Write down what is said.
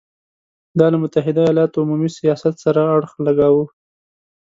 دا له متحدو ایالتونو عمومي سیاست سره اړخ لګاوه.